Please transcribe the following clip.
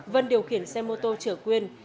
vân điều khiển xe mô tô chở quyên